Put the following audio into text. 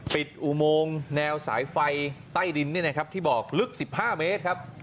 อุโมงแนวสายไฟใต้ดินที่บอกลึก๑๕เมตรครับ